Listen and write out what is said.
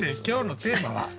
今日のテーマは？